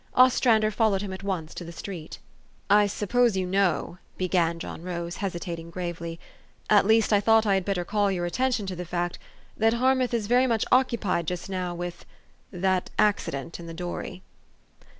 Ostrander followed him at once to the street. "I suppose you know," began John Rose, hesi tating gravely, " at least I thought I had better call your attention to the fact, that Harmouth is very much occupied just now with that accident in the dory."